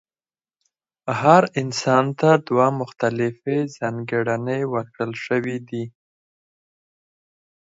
هر انسان ته دوه مختلفې ځانګړنې ورکړل شوې دي.